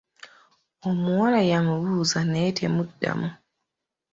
Omuwala yamubuuza naye temuddamu.